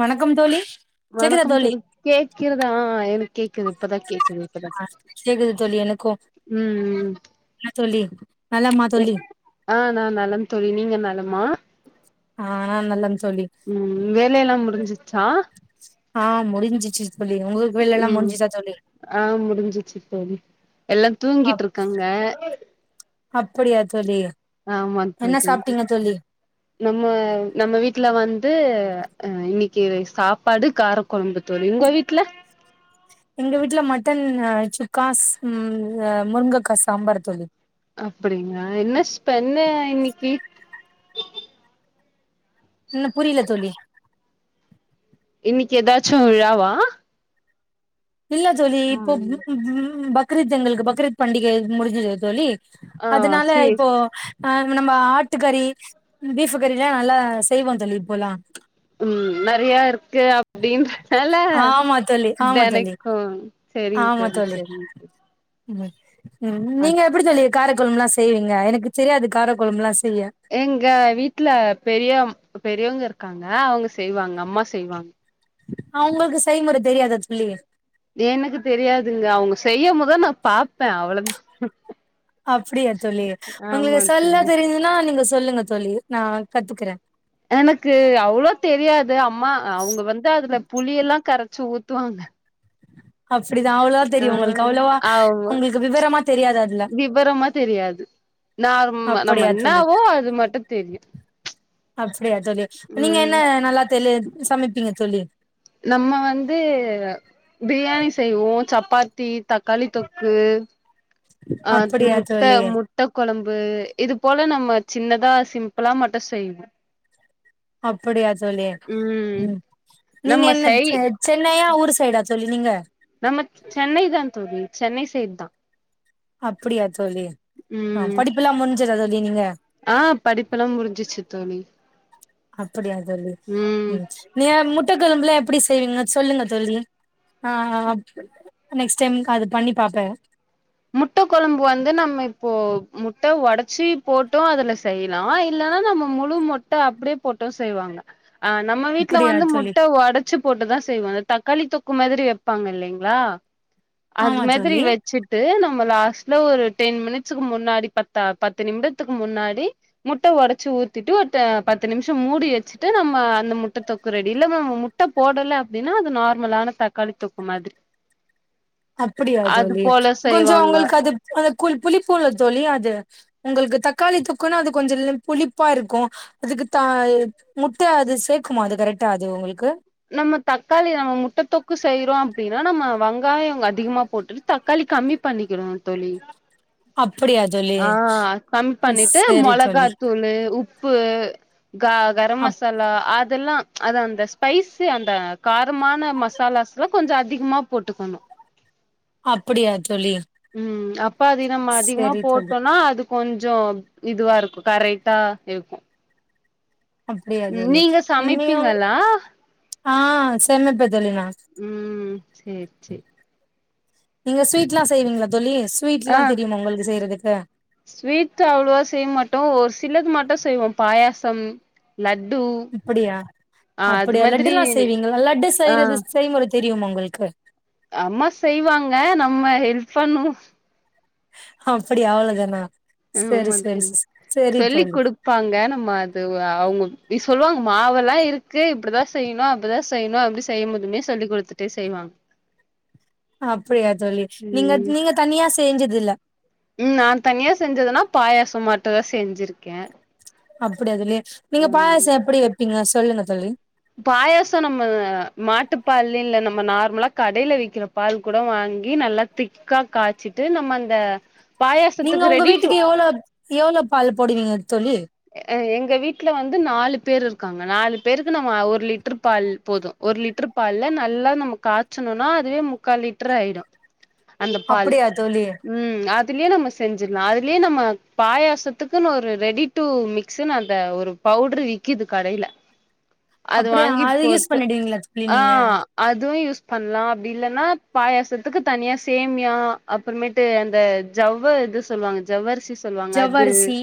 வணக்கம் தோழி வணக்கம் தோழி கே வைக்கிறதா ஆ எனக்கு கேக்குது இப்தான் கேடக்குது ஆ கேக்குது தோலி எனக்கும் தோலி ஆஹ் நான் நலம் தோழி நீங்க நலமா ஆஹ் நல்லந் உம் வேலையிலாம் முடிஞ்சி ச்சா ஆஹ முடிஞ்சிச்சி ம் ஆ முடிஞ்சிச்சு தோலி எல்லா தூங்கிட்டுருக்காங்க அப்புடியா தோழி ஆமா என்ன தோழி சாப்ட்டீங்க தோழி நம்ம நம்ம வீட்டுல வந்து அஹ் இன்னிக்கு சாப்பாடு காரக்கெழம்பு தோழிஉங்க வீட்ல எங்க வீட்டுல மட்டன் சுக்காஸ் முருங்கக்கா சாம்பார் தோழி அப்டிங்களா என்ன ஸ்பென்ன இன்னிக்கு இல்ல புரில தோழி இன்னிக்கு ஏதாச்சு விழாவா இல்ல தோழி இப்ப ம் [unintelligible] பக்ரீத் எங்களுக்கு பக்ரீத் பண்டிகை முடிஞ்சதா தோழி ஆ அதுனால சேரி இப்போ ஆஹ் நம்ம ஆட்டு கறி பீஃப் கறி எல்லா நல்லா செய்வோம் தோழி இப்போலா உம் நெறைய இருக்கு அப்டின்றனால ஆமா தோழி ஆமா தோழி தெனக் ஹ செரிங்க தோழி செரிங்க தோழி [unintelligible] ம் அ நீங்க எப்டி தோழி காரக்கொழம்புலாம் செய்வீங்க எனக்கு தெரியாது காரக்கொழம்புலாம் செய் எங்க வீட்ல பெரியாம் பெரியவங்க இருக்காங்க அவங்க செய்வாங்க அம்மா செய்வாங்க அவங்களுக்கு செய்முற தெரியாதா தோழி எனக்கு தெரியாதுங்க அவங்க செய்யம்போதா நான் பாப்பே அவ்ளோதான் [inaudible] அப்புடியா தோழி உங்களுக்கு சொல்ல தோழி தெரிஞ்சதுன்னா நீங்க சொல்லுங்க தோழி நா கத்துக்குறேன் எனக்கு அவ்ளோ தெரியாது அம்மா அவங்க வந்து அதுல புளியலாம் கரச்சி ஊத்துவாங்க அப்புடிதான் அவ்ளோதா தெரியு உங்களுக்கு அவ்வளோவா ஆ ஆமா உங்களுக்கு விவரமா தெரியாத விபரமா தெரியாது நார் நம்ம அப்படியா தோழி என்னாவோ அது மட்டும் தெரியும் அப்புடியா தோழி நீங்க என்ன நல்லா தோழி சமப்பீங்க தோழி நம்ம வந்து பிரியாணி செய்வோ சப்பாத்தி தக்காளி தொக்கு அ அப்படியா முட்ட தோழி முட்ட கொழம்பு இது போல நம்ம சின்னதா சிம்பிளா மட்டும் செய்வோ அப்டியா தோழி ம் நீங்க நம்ம என்ன செய் சென்னையா ஊர் சைடா சொல்ல நீங்க நம் சென்னை தான் தோழி சென்னை சைட தான் அப்டியா தோலி ஆ படிப்புல்லாம் முன் ல்ல நீங்க ஆ படிப்புல்லாம் முடிஞ்சிச்சு தோழி அப்டியா தோழி ம் நீ முட்டக்கெழம்புல அப்டி செய்வங்க சொல்லுங்க தோழி ஆ நெக்ஸ்ட் டைம் அது பண்ணி பாப்பேன் முட்ட கொழம்பு வந்து நம்ம இப்போ முட்ட உடைச்சி போட்டோ அதுல செய்யலாம் இல்லன்னா நம்ம முழு முட்ட அப்டியே போட்டும் செய்வாங்க ஆ நம்ம வீட்டுல வ அப்படியா தோழி முட்ட உடைச்சு போட்டுதான் செய்வோம் அ தக்காளி தொ உக்கு மாதரி வைப்பாங்க இல்லங்களா அது ஆமா மாரி தோழி வச்சுட்டு நம்ம லாஸ்ட்ல ஒரு டென் மினிட்ஸுக்கு முன்னாடி பத்த பத்து நிமிடத்துக்கு முன்னாடி முட்டை ஒடைச்சு ஊத்திட்டு பத்து நிமிஷம் மூடி வச்சுட்டு நம்ம அந்த முட்டை தொக்கு ரெடி இல்ல நம்ம முட்டை போடலை அப்புடின்னா அது நார்மலான தக்காளி தொக்கு மாதிரி அப்டியா அது ஜலி போல கொஞ்சம் செய்வாங்க உங்களுக்கு அது அந்த கு புளிப்புல தோழி அது உங்களுக்கு தக்காளி தொக்குன்னா அது கொஞ்சம் புளிப்பா இருக்கும் அதுக்கு த முட்ட அது சேர்க்கமா அது கரெக்டா அது உங்களுக்கு நம்ம தக்காளி நம்ம முட்டை தொக்கு செய்றோம் அப்புடின்னா நம்ம வெங்காயம் அதிகமா போட்டுட்டு தக்காளி கம்மி பண்ணிக்கணும் தோழி அப்படியா தோழி ஆ கம்மி பண்ணிட்டு சரி தோழி மொளகாத்தூள் உப்பு க கரம் அப் மசாலா அதெல்லாம் அது அந்த ஸ்பைஸ் அந்த காரமான மசாலாஸ் எல்லாம் கொஞ்சம் அதிகமா போட்டுக்கணும் அப்டியா சொழி அத நம்ம அதிகமா போட்டோம்னா அது கொஞ்சம் இதுவா இருக்கும் கரெக்டா இருக்கும் அப்டியா தோழி நிம் சமைப்பீங்களா ஆ சேமைப்ப சொல்ல நா ம் சேரி சேரி நீங்க ஸ்வீட்ல்லாம் செய்வீங்களா தோழி ஸ்வீட் எல்லாம் ஆ தெரியும் உங்களுக்கு செய்யறது [inaudible] ஸ்வீட் அவ்வளவா செய்ய மாட்டோம் ஒரு சிலது மட்டும் செய்வோம் பாயாசம் லட்டு அப்டியா ஆ அது அப்டியா லட்டு மாதிரி எல்லாம் செய்வீங்களா லட்டு ஆ செய்யறது செய்ய முற தெரியும் உங்களுக்கு அம்மா செய்வாங்க நம்ம ஹெல்ப் பண்ணும் ஆ அப்டி அவ்வளதானா ஆ ம் ஆமா சொல்லி தோழி கொடுப்பாங்க நம்ம அது அவங்க நீ சொல்லுவாங்க மாவெல்லாம் இருக்கு இப்படிதான் செய்யணும் அப்படிதான் செய்யணும் அப்படி செய்யும்போதுமே சொல்லி் கொடுத்துட்டே செய்வாங்க அப்படியா தோலி நீங்க நீங்க தனியா ச செஞ்சதுில் உம் நான் தனியா செஞ்சதுன்னா பாயாச மாட்டதான் செஞ்சிருக்கேன் அப்படி அதுலயே நீங்க பாயசம் எப்படி பிங்க சொல்லுகுக தோலி பாயசம் நம்ம மாட்டு பால் இல்ல நம்ம நார்மலா கடையில வைக்கிற பால் கூட வாங்கி நல்லா திக்கா காய்ச்சிட்டு நம்ம அந்த நீங்க பாயாசத்துக்கு உங்க ரெடி டு வீட்டுக்கு எவ்ளவு எவ்வளவு பால் போடுவீங்க தோலி எங்க வீட்டுல வந்து நாலு பேர் இருக்காங்க நாலு பேருக்கு நம்ம ஒரு லிட்டரு பால் போதும் ஒரு லிட்டர் பால்ல நல்லா நம்ம காய்ச்சணும்னா அதுவே முக்கால் லிட்டர் ஆயிடும் அந்த பால் அப்படியா தோழி உம் அதுலயே நம்ப செஞ்சிடலாம் அதுலயே நம்ம பாயாசத்துக்கு ஒரு ரெடி டு மிகஸன்னு அந்த ஒரு பவுடரு விக்குது கடைல அது அப்படியா வாங்கி அது யூஸ் போட்டு பண்ணிடுவீங்களா தோழி நீங்க ஆஹ் அதுவும் யஸ் பண்ணலாம் அப்படி இல்லன்னா பாயாசத்துக்கு தனியா சேமியா அப்புறமேட்டு அந்த ஜவ்வவ இது சொல்லுவாங்க ஜவ்வர் சொல்லுவாங்க அது ஜவ்வரிசி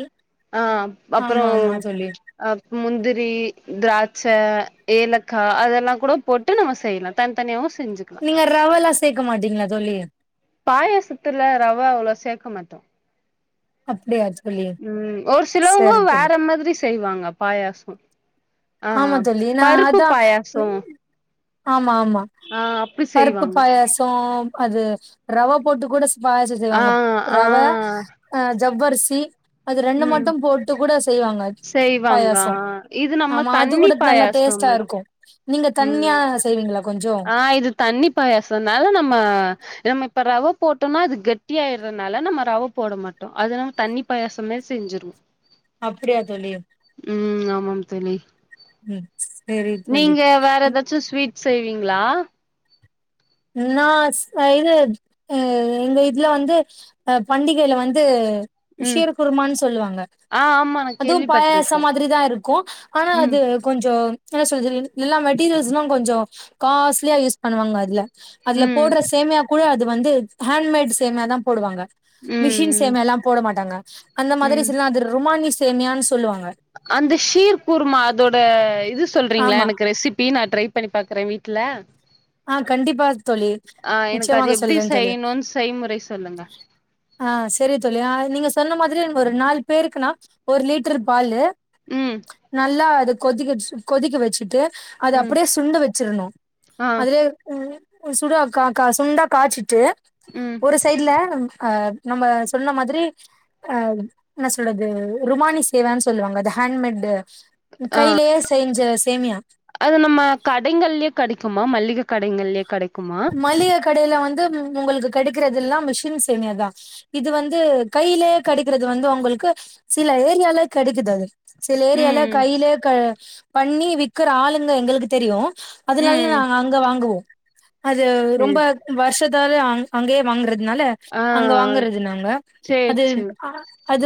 ஆஹ் ஆமா அப்புறம் ஆமா தோழி அஹ முந்திரி திராட்ச ஏலக்கா அதெல்லாம் கூட போட்டு நம்ம செய்யலாம் தனித்தனியா நீங்க ரவலா சேர்க்க மாட்டீங்களா தோலி பாயசத்துல ரவ அவ்ளோ சேர்க்க மாட்டோம் அப்படியாச்சு உம் ஒரு சிலவங்க வேற மாதிரி செய்வாங்க பாயாசம் ஆமா ஆஹ் தோழி நா பருப்பு பாயாசம் ஆ ஆமா பருப்பு பாயசம் அது ரவ போட்டுகூட பாயச்ச ஆ செய்வாங்க ஆ ரவ அஹ் ஜவர்சி அது ரெண்டு ம் மட்டும் போட்டு கூட செய்வாங்க செய்வாங்க ஆ பாயாசம் இது நம்ம ஆமா அது தண்ணி கூடத்து நல்லா பாயாசோ டேஸ்ட்டா மாதிரி இருக்கு நீங்க தனியா செய்வீங்களா கொஞ்சோ ஆஹ் இது தண்ணி பாயாசம்னாலும் நம்மம இப்ப ரவ போட்டோம்னா அது கட்டிய ஆயறதுனால நம்ம ரவ போட மாட்டோம் அதுனால தண்ணி பாயசமே செஞ்சிருவோம் அப்படியா தொலி தள்ளி உம் நீங்க வேற ஏதாச்சும் ஸ்வீட் செய்வீங்ளா நான் செய்ரது எங்க வீட்ல வந்து பண்டிகையில வந்து விஷய ம் குருமான்னு சொல்லுவாங்க ஆ ஆமா நா அதுவும் கேள்விப்பட்டிருக்கே பாயாசம் மாதிரி தான் இருக்கும் ஆனா ம் அது கொஞ்சோம் என்ன சொல்ல எல்லா மெட்டீரியல்ஸும் தான் கொஞ்சம் காஸ்ட்லியா யூஸ் பண்ணுவாங்க அதுல அதுல ம் போடுற சேமியா கூட அது வந்து ஹேண்ட்மேட் சேமைய தான் போடுவாங்க மிஷின் ம் சேமியா எல்லாம் போட மாட்டாங்க அந்த ம் மாதிரில்லாம் அது ருமானிஸ [unintelligible] அந்த ஷீர் பூர்மா அதோட இது சொல்றீங்களா ஆமா எனக்கு ரெசிபி நா ட்ரை ரை பண்ணி பாக்குறேன் வீட்ல ஆஹ் கண்டிப்பா தோழி ஆ எனக்கு அது நிச்சயமாக எப்டி சொல்றேன் தோழி செய்யணுன் செய்முறை சொல்லுங்க ஆஹ் சரி தோழி நீங்க சொன்ன மாதிரியே ஒரு நாலு பேருக்குனா ஒரு லிட்டரு பாலு ம் நல்லா அதுக் கொதிக்கவச்ட் கொதிக்க வச்சிட்டு அது ம் அப்படியே சுண்ட வச்சிரணும் ஆ உ சுடா கா கா சுண்டா காய்ச்சிட்டு ம் ஒரு சைடுல ம் அஹ நம்ப சொன்ன மாதிரி அஹ் என்ன சொல்றது ருமானி சேமியானு சொல்லுவாங்க த ஹேண்ட்மேட் கையிலயே செஞ்ச சேமியா அது நம்ம கடைங்கல்யே கெடைக்குமா மல்லிக கடைங்கல்யே கெடைக்குமா மளிகை கடையில வந்து உங்களுக்கு கிடைக்கிறதுல்லாம் மிஷின் சேமியா தான் இது வந்து கையிலேயே கிடைக்கிறது வந்து உங்களுக்கு சில ஏரியால கிடைக்குது அது சில ஏரியாள ம் கையிலே க பண்ணி வி்க்ற ஆளுங்க எங்களுக்கு தெரியும் அதுநால நா ம் அங்க வாங்குவோம் அது ரொம்ப சேரி வருஷத்து அதனாலேயே அங் அங்கயே வாங்குறது அதனால ஆ அங்க வாங்கறது நாங்க சேரி அது சேரி அது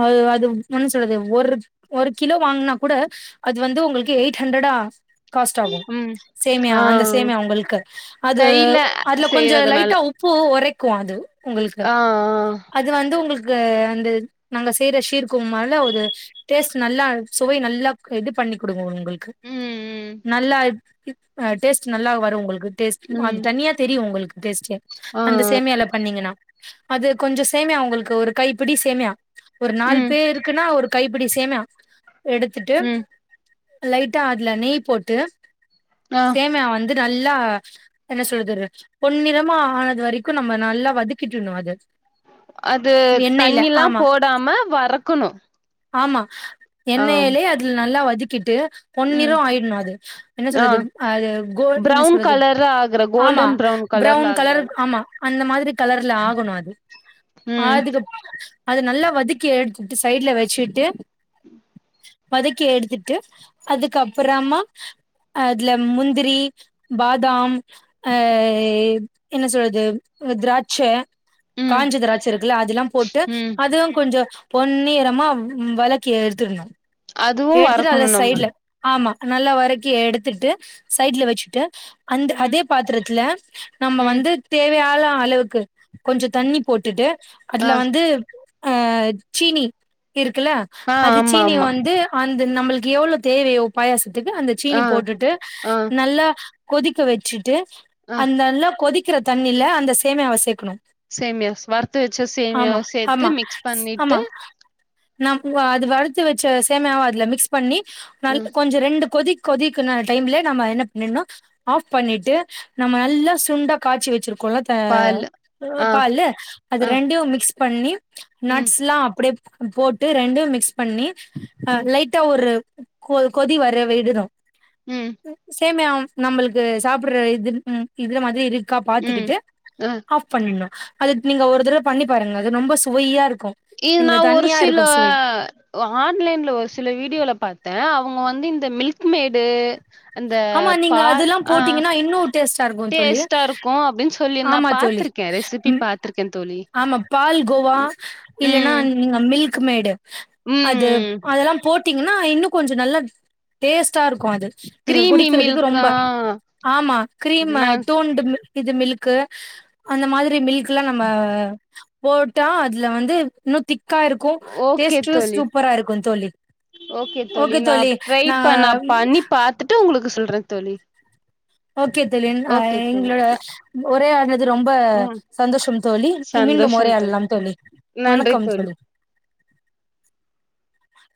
அ அது ஒன்னும் சொல்றது ஒரு ஒரு கிலோ வாங்கனா கூட அது வந்து உங்களுக்கு எயிட் ஹண்ட்ரடா காஸ்ட் ஆகும் ம் சேமியா ஆ அந்த சேமியா உங்களுக்கு அது கையில அதுல கொஞ்சம் செய்றதுனால லைட்டா உப்பு உப்பு உரைக்கும் அது உங்களுக்கு ஆ ஆ அது வந்து உங்களுக்கு அந்த வந்து நாங்க செய்யற சீர்க்கம் மோல ஒரு டேஸ்ட் நல்லா சுவை நல்லா இது பண்ணி கொடுங்க உங்களுக்கு ம் ம் நல்லா டேஸ்ட் நல்லா வரும் உங்ளுக்கு டேஸ்ட் அது ம் தனியா தெரியும் உங்களுக்கு டேஸ்டி ஆ அந்த சேமியால பண்ணீங்கன்னா அது கொஞ்சம் சேமியா உங்களுக்கு ஒரு கைப்பிடி சேமியா ஒரு நாலு ம் பேர்ருக்குனா ஒரு கைப்பிடி சேமையா எடுத்துட்டு ம் லைட்டா அதுலநெய் போட்டு ஆ சேமியா வந்து நல்லா என்ன சொல்றது பொன்னிறமா ஆனது வரைக்கும் நம்ம நல்லா வதக்கிட்டுணுஅது அது தண்ணில்லாம் போடாம வறக்கணும் ஆமா எண்ணெய்லையே அதுல நல்லா வதிக் கிட்டு பொன்னிர ம் ஆயிடும் அது என்ன ஆ சொல்றது அது கோல்டுனேஸ்என்ன ப்ரவுன் சொல்றது கலர்ல ஆகுற ஆமா கோல்டன் பிரவுன் கலர்ல ப்ரௌன் கலர் ஆகுறல ஆமா அந்த மாரி கலர்ல ஆகணும் அது ம் ஆதுக் அதது நல்லா வதக்கி எடுத்துட்டு சைட்ல வச்சுட்டு [unintelligible] வதக்கி எடுத்துட்டு அதுக்கப்பறமா அதுல முந்திரி பா தாம் அ என்ன சொல்றது திராட்ச ம் காஞ்ச திராட்ச இருக்குல்ல அதெல்லாம் போட்டு ம் அதுவும் கொஞ்சம் பொன்னிரமா வழக்கி எடுத்திரணும் அதுவும் வரக்கணும் நம்ம ஆமா நல்லா வரக்கி எடுத்துட்டு சைட்ல வச்சுட்டு அந்த ம் அதே பாத்திரத்துல நம்ம ம் வந்து தேவையான அளவுக்கு கொஞ்சம் தண்ணி போட்டுட்டு ஆ அதுல வந்து அஹ ஜினி இருக்குல்ல ஆ அது ஆமா சீனி ஆமா வந்து ந்து நம்மளுக்கு எவ்வளவு தேவையோ பாயசதுக்கு க்கு அந்த சீனி ஆ போட்டுட்டு ஆ நல்லா கொதிக்க வச்சு ட்டு ஆ அந்தெல்லாம் கொதிக்க கொதிக்கிற தண்ணில அந்த சேமியவ சேர்க்கணும் சேமியாஷ் வறுத்து வச்ச சேமியா சேர்த்து ஆமா மிக்ஸ் பண்ணிட்டு ஆமா நம் அத வறுத்து வச்ச சேமியவ அதுல மிக்ஸ் பண்ணி ம் கொஞ்சம் ரெண்டு கொதிக் கொதிக்குண டைம்ல நம்ம என்ன பண்ணும் ஆப் பண்ணிட்டு நம்ம நல்லா சுண்டா காய்சி வச்சிருக்கோம் பால் கோல ஆ பால அது ஆ ரெண்டையும் மிக்ஸ் பண்ணி ம் நட்ஸ்லாம் அப்டே போட்டு ரெண்டும் மிக்ஸ் பண்ணி ஆ ம் லைட்டா ஒரு கொதி வர விடுனும் ம் சேமி நம்மளுக்கு சாப்படுற இது இதுல மாரி இருக்கு க்கா ம் பாத்துக்கிட்டு ஆ ஆப் பண்ணும் அது நீங்க ஒரு தடவை பண்ணி பாருங்க அது ரொம்ப சுவையா இருக்கு இது நீங்க நான ஒரு தனியா சில இருக்கு சுவை ஆ ஆஃப்லை ல ஒரு சில வீடியோல பாத்தேன் அவ அவங்க வந்து இந்த மில்க் மேடு அந்த ஆமா நீங்க பால் அதெல்லாம் ஆ போட்டீங்கன்னா இன்னு ஸ்டா இருக்கும் தோழி டேஸ்ட்டா இருக்கு அப்டின்னு சொல்லி நா ஆமா தோழி பாத்திருக்கே ரெசிபி பாத்திருக்கே தோழி ஆமா பால்கோவா ம் இல்லைன்னா ம் நீங்க மில்க் மில்க்மேடு அது ம் அதெல்லாம் போட்டி என்னா இன்னும் கொஞ்சோம் நல்லா டேஸ்ட்டா இருக்கும் அது நீங்க கிரீமி குடிக்கிறதுக்கு மில்க் ரொம்ப ஆ ஆமா கிரீம நா இது மில்க்கு அந்த மாதிரி மில்க் எல்லாம் நம்ம போட்டா அதுல வந்து இன்னும் திக் ஓகே தோலி இருக்கு தோழி ஓகே தோலி தோழி நான் டரை நா பண்ணா பண்ணி பாத்துட்டு உங்களுக்கு சொல்றேன் தொலி ஓகே தொலி எ எங்களோட ஒரே ஆளுங்க அது ரொம்ப ம் சந்தோஷம் தோலி மீண்டும் சந்தோஷம் தோழி உரையாடலாம் தோலி நன்றி வணக்கம் தோழி தோலி [unintelligible]